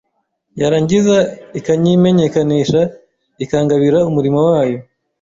yarangiza ikanyimenyekanisha ikangabira umurimo wayo